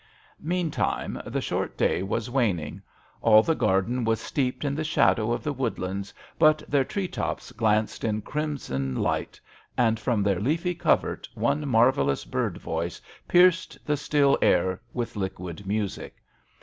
Meantime the short day was waning. All the garden was steeped in the shadow of the woodlands, but their tree tops glanced in crimson light, and from their leafy covert one marvellous bird voice pierced the still air with liquid music.